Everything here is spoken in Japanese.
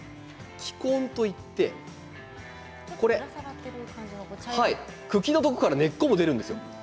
気根といって茎のところから根っこが出るんです。